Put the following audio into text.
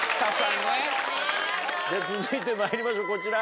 続いてまいりましょうこちら。